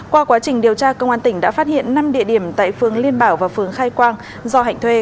qua quá trình điều tra công an tỉnh đã phát hiện năm địa điểm tại phường liên bảo và phường khai quang do hạnh thuê